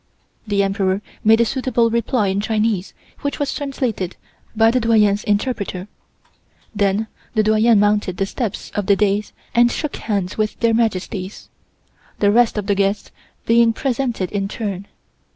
The Emperor made a suitable reply in Chinese which was translated by the Doyen's interpreter. Then the Doyen mounted the steps of the dais and shook hands with Their Majesties, the rest of the guests being presented in turn.